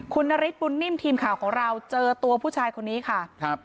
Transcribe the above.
คุณนาริสปุ่นนิ่มทีมข่าวของเราเจอตัวผู้ชายคนนี้ค่ะ